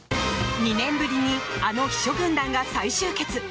２年ぶりにあの秘書軍団が再集結。